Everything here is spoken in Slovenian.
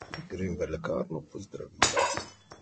Grem v lekarno po zdravila.